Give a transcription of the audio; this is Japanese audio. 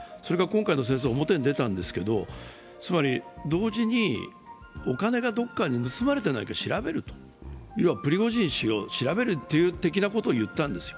それが今回の戦争で表に出たんですけど、同時に、お金がどこかに盗まれてないか調べると要はプリゴジン氏を調べると言ったんですよ。